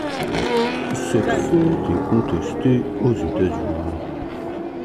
Cette fête est contestée aux États-Unis.